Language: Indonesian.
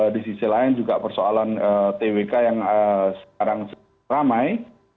di sisi lain juga persoalan twk yang sekarang ramai